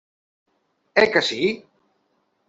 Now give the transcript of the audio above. Eh que sí?